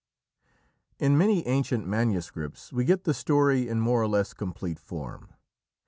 In many ancient manuscripts we get the story in more or less complete form.